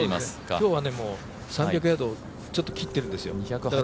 今日は、３００ヤードちょっと切ってるんですよ。